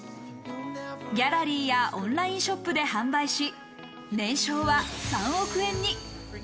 ギャラリーやオンラインショップで販売し、年商は３億円に。